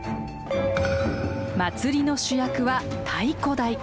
祭りの主役は太鼓台。